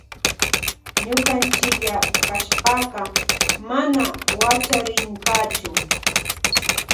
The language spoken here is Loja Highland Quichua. Ñukanchilla kashpaka mana wachariynkachu.